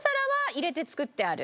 入れて作ってある。